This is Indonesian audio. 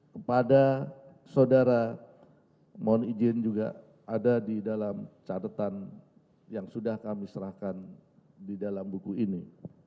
kepada saudara mohon izin juga ada di dalam catatan yang sudah kami serahkan di dalam buku ini